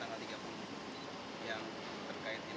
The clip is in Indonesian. yang terkait dengan ninoi karundeng